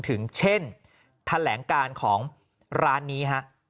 ถึงเช่นแถลงการของร้านนี้ฮะ